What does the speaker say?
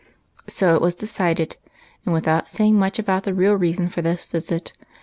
So it was decided, and without saying much about the real reason for this visit.